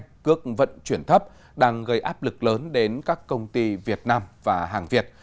các doanh nghiệp việt vẫn chuyển thấp đang gây áp lực lớn đến các công ty việt nam và hàng việt